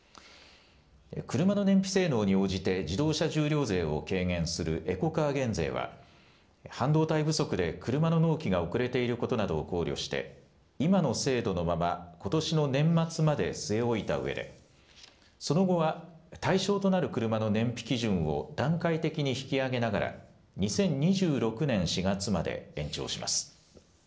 車の燃費性能に応じて自動車重量税を軽減するエコカー減税は半導体不足で車の納期が遅れていることなどを考慮して今の制度のまま、ことしの年末まで据え置いたうえでその後は対象となる車の燃費基準を段階的に引き上げながら２０２６年４月まで延長します。